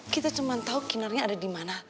kita cuma tahu kinarnya ada di mana